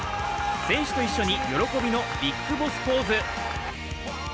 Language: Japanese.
選手と一緒に喜びのビッグボスポーズ。